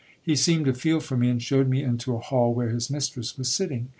He seemed to feel for me, and showed me into a hall where his mistress was sitting.